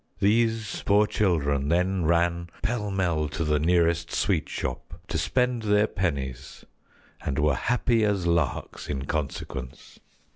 These poor children then ran pell mell to the nearest sweet shop to spend their pennies and were happy as larks in consequence."